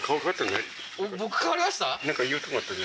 僕変わりました？